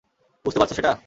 বুঝতে পারছো সেটা?